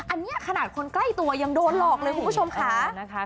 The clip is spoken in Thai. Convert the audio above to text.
อันนี้ขนาดคนใกล้ตัวยังโดนหลอกเลยคุณผู้ชมค่ะนะคะ